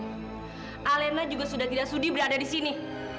alena juga sudah tidak sudi berada di sini